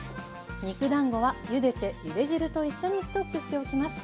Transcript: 肉だんごはゆでてゆで汁と一緒にストックしておきます。